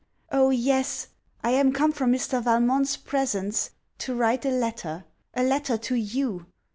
Oh yes! I am come from Mr. Valmont's presence, to write a letter a letter to you!